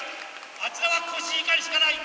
あちらはコシヒカリしかない。